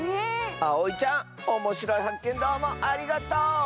あおいちゃんおもしろいはっけんどうもありがとう！